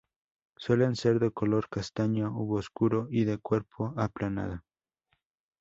Suelen ser de color castaño u oscuro y de cuerpo aplanado.